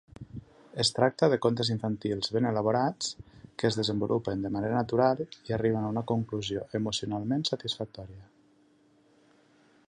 Es tracta de contes infantils ben elaborats, que es desenvolupen de manera natural i arriben a una conclusió emocionalment satisfactòria.